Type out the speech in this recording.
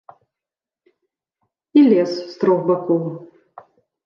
І лес з трох бакоў.